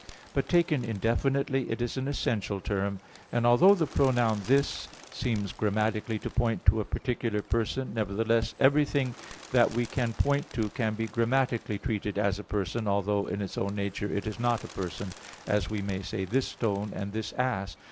But taken indefinitely, it is an essential term. And although the pronoun "this" [iste] seems grammatically to point to a particular person, nevertheless everything that we can point to can be grammatically treated as a person, although in its own nature it is not a person; as we may say, "this stone," and "this ass."